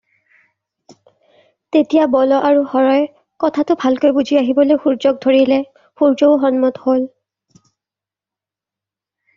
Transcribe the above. তেতিয়া বলো আৰু হৰই কথাটো ভালকৈ বুজি আহিবলৈ সূৰ্য্যক ধৰিলে, সূৰ্য্যও সন্মত হ'ল।